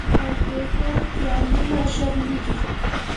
کمپيوټر فايلونه ژر لېږي.